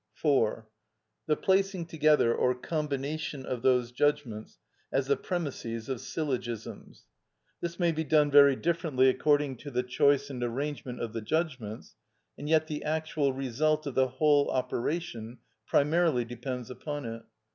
(4.) The placing together or combination of those judgments as the premisses of syllogisms. This may be done very differently according to the choice and arrangement of the judgments, and yet the actual result of the whole operation primarily depends upon it.